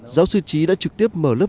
giáo sư trí đã trực tiếp mở lớp đại học